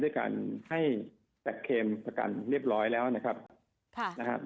ด้วยการให้แสกเคมประกันเรียบร้อยแล้วนะครับ